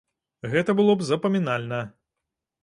Гэта было б запамінальна.